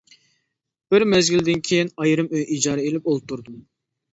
بىر مەزگىلدىن كېيىن ئايرىم ئۆي ئىجارە ئېلىپ ئولتۇردۇم.